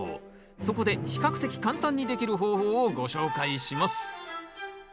そこで比較的簡単にできる方法をご紹介します